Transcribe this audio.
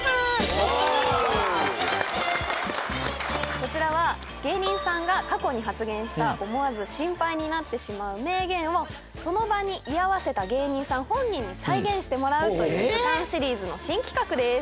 こちらは芸人さんが過去に発言した思わずシンパイになってしまう名言をその場に居合わせた芸人さん本人に再現してもらうという図鑑シリーズの新企画です。